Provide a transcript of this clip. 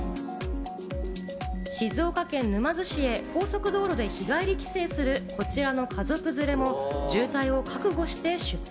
静岡県沼津市へ高速道路で日帰り帰省する、こちらの家族連れも渋滞を覚悟して出発。